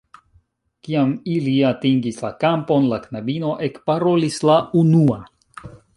Kiam ili atingis la kampon, la knabino ekparolis la unua.